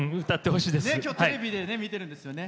今日テレビで見てるんですよね。